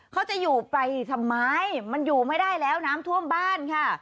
เขาจะอยู่ไปทำไมมันอยู่ไม่ได้แล้วน้ำท่วมบ้านค่ะ